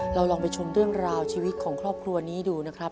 ลองไปชมเรื่องราวชีวิตของครอบครัวนี้ดูนะครับ